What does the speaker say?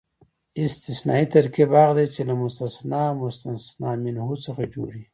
استثنایي ترکیب هغه دئ، چي له مستثنی او مستثنی منه څخه جوړ يي.